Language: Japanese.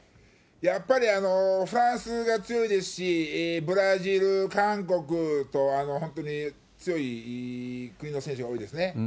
やっぱりフランスが強いですし、ブラジル、韓国と、本当に強い国の選手が多いですね。